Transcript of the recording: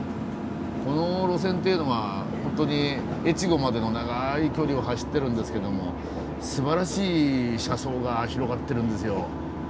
この路線っていうのはホントに越後までの長い距離を走ってるんですけどもすばらしい車窓が広がってるんですよ。